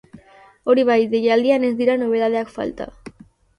Hori bai, deialdian ez dira nobedadeak falta.